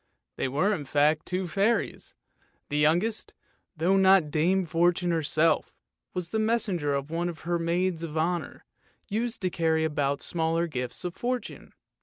They were in fact two fairies, the youngest, though not Dame Fortune herself, was the messenger of one of her maids of honour, used to carry about the smaller gifts of fortune.